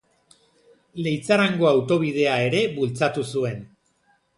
Leitzarango Autobidea ere bultzatu zuen.